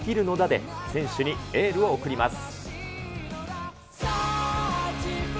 で、選手にエールを送ります。